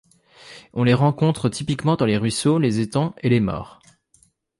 On les rencontre typiquement dans les ruisseaux, les étangs et les mares.